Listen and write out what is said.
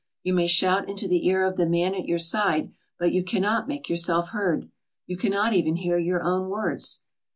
You may shout into the ear of the man at your side but you cannot make yourself heard. You cannot even hear your own words.